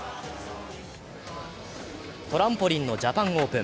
トランポリンのジャパンオープン。